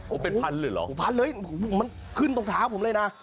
เป็นพันเลยเหรอพันเลยมันขึ้นตรงเท้าผมเลยนะ